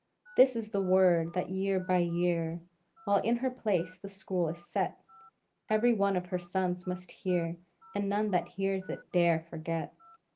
This is the word that year by year, While in her place the School is set, Every one of her sons must hear, And none that hears it dare forget.